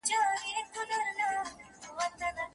افغان لیکوالان د غونډو جوړولو قانوني اجازه نه لري.